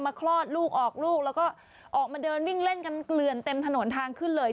คลอดลูกออกลูกแล้วก็ออกมาเดินวิ่งเล่นกันเกลือนเต็มถนนทางขึ้นเลย